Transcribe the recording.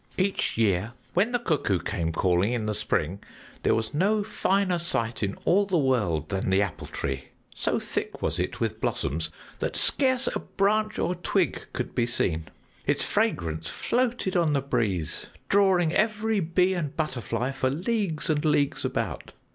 "Each year, when the cuckoo came calling in the spring, there was no finer sight in all the world than the Apple Tree. So thick was it with blossoms that scarce a branch or twig could be seen. Its fragrance floated on the breeze, drawing every bee and butterfly for leagues and leagues about.